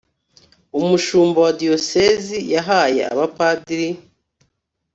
umushumba wa diyosezi yahaye abapadiri